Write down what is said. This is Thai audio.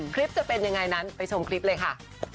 คลิปจะเป็นยังไงนั้นไปชมคลิปเลยค่ะ